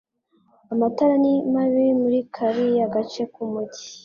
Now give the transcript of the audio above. Amatara ni mabi muri kariya gace k'umujyi.